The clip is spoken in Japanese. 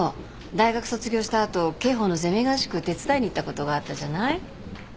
大学卒業した後刑法のゼミ合宿手伝いに行ったことがあったじゃない？